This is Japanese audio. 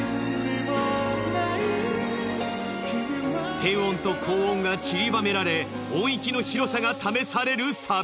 低音と高音が散りばめられ音域の広さが試されるサビ。